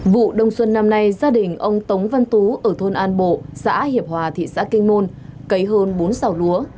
vụ đông xuân năm nay gia đình ông tống văn tú ở thôn an bộ xã hiệp hòa thị xã kinh môn cấy hơn bốn xào lúa